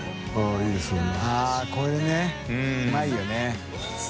△いいですね。